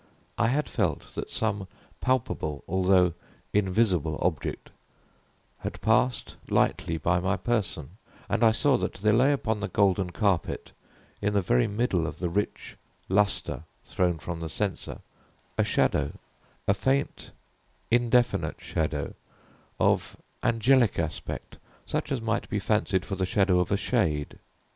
I had felt that some palpable although invisible object had passed lightly by my person; and I saw that there lay upon the golden carpet, in the very middle of the rich luster thrown from the censer, a shadow a faint, indefinite shadow of angelic aspect such as might be fancied for the shadow of a shade.